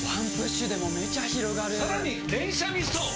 さらに連射ミスト！